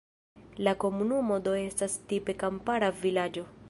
La komunumo do estas tipe kampara vilaĝo.